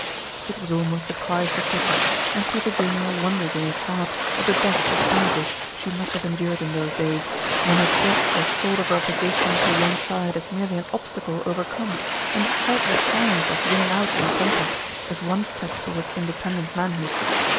It was almost a cry for pity, and Peter Junior wondered in his heart at the depth of anguish she must have endured in those days, when he had thrust the thought of her opposition to one side as merely an obstacle overcome, and had felt the triumph of winning out in the contest, as one step toward independent manhood.